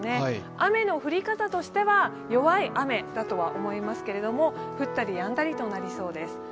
雨の降り方としては弱い雨だとは思いますけれども、降ったりやんだりとなりそうです。